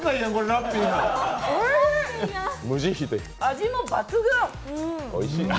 味も抜群。